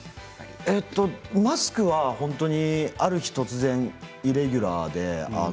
マスクはある日突然イレギュラーで